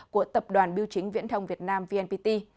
của tập đoàn biêu chính viễn thông việt nam vnpt